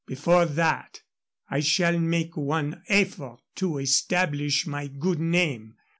Before that I shall make one effort to establish my good name.